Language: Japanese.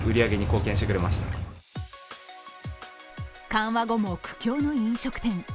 緩和後も苦境の飲食店。